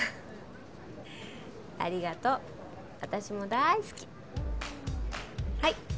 ありがとう私も大好きはい